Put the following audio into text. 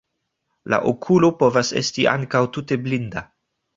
La okulo povas esti ankaŭ tute blinda.